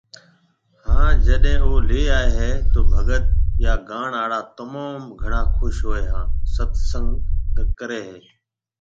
ھان جڏي او لي آئي ھيَََ تو ڀگت يا گاڻ آڙا تموم گھڻا خوش ھوئي ھان ست سنگ ڪري ھيَََ